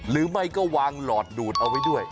หรือไม่ก็วางหลอดดูดเอาไว้ด้วย